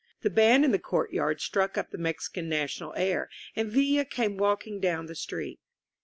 The band in the courtyard struck up the Mexican national air, and Villa came walking down the street.